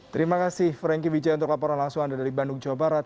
terima kasih franky bija untuk laporan langsung anda dari bandung jawa barat